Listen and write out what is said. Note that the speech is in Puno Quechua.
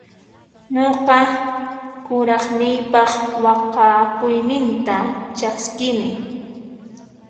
Nuqa kuraqniypaq waqhakuyninta chaskini.